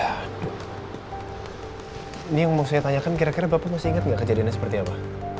ini yang mau saya tanyakan kira kira bapak masih ingat nggak kejadiannya seperti apa